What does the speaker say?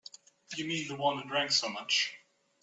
You mean the one who drank so much?